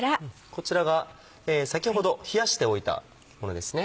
こちらが先ほど冷やしておいたものですね。